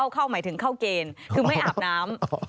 เข้าหมายถึงเข้าเกณฑ์คือไม่อาบน้ำ